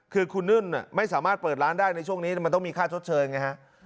คือคุณนุ่นไม่สามารถเปิดร้านได้ในช่วงนี้มันต้องมีค่าชดเชยไงฮะ